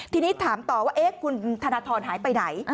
ทีนี้ถามต่อว่าคุณธนทรหายไปไหน